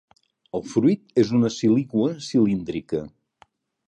El fruit és una síliqua cilíndrica.